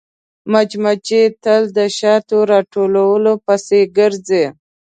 مچمچۍ تل د شاتو راټولولو پسې ګرځي